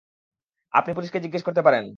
আপনি পুলিশকে জিজ্ঞেস করতে পারেন।